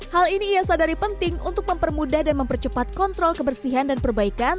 hal ini ia sadari penting untuk mempermudah dan mempercepat kontrol kebersihan dan perbaikan